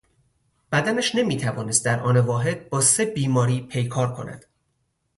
بدنش نمیتوانست در آن واحد با سه بیماری پیکار کند.